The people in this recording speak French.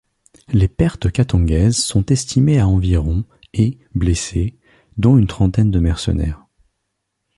Les pertes katangaises sont estimées à environ et blessés, dont une trentaine de mercenaires.